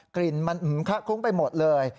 กลิ่นมันอืมค่ะคงไปหมดเลย